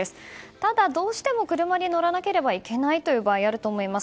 ただ、どうしても車に乗らなければいけないという場合あると思います。